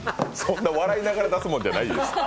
笑いながら出すもんじゃないです。